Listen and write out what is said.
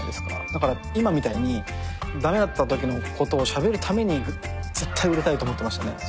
だから今みたいにだめだったときのことをしゃべるために絶対売れたいと思ってましたね。